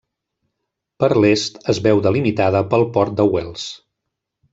Per l'est, es veu delimitada pel port de Wells.